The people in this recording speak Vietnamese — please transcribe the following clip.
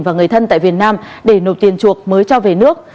và người thân tại việt nam để nộp tiền chuộc mới cho về nước